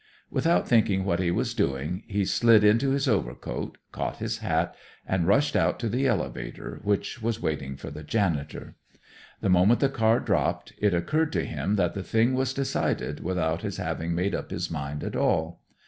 Without thinking what he was doing, he slid into his overcoat, caught his hat, and rushed out to the elevator, which was waiting for the janitor. The moment the car dropped, it occurred to him that the thing was decided without his having made up his mind at all.